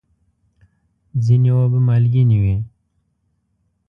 ځینې اوبه مالګینې وي.